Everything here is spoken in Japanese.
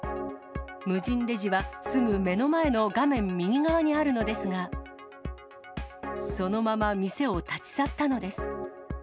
無人レジはすぐ目の前の画面右側にあるのですが、そのまま店を立ち去ったのです。